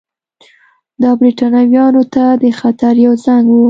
دا برېټانویانو ته د خطر یو زنګ وو.